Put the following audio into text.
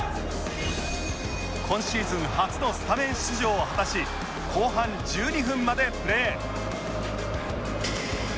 今シーズン初のスタメン出場を果たし後半１２分までプレー